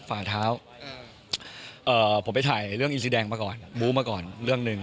ฝ่าเท้าผมไปถ่ายเรื่องอินซีแดงมาก่อนบู้มาก่อนเรื่องหนึ่ง